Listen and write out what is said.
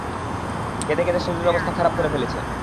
কেঁদে কেঁদে শরীরের অবস্থা খারাপ করে ফেলেছে।